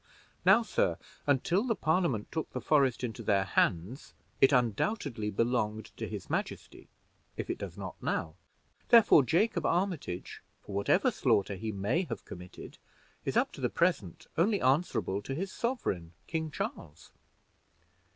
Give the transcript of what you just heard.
Now, sir, until the Parliament took the forest into their hands, it undoubtedly belonged to his majesty, if it does not now; therefore Jacob Armitage, for whatever slaughter he may have committed, is, up to the present, only answerable to his sovereign, King Charles."